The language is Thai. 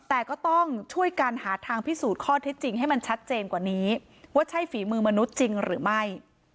แต่ก็ต้องช่วยกันหาทางพิสูจน์ข้อเท็จจริงให้มันชัดเจนกว่านี้ว่าใช่ฝีมือมนุษย์จริงหรือไม่